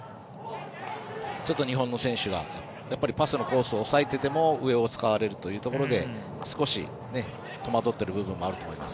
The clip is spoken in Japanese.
ちょっと日本の選手がパスのコースを抑えていても上を使われるというところで少し戸惑っている部分もあると思います。